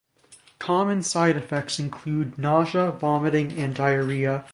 Common side effects include: nausea, vomiting and diarrhea.